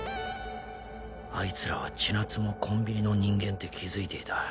あいつらはちなつもコンビニの人間って気づいていた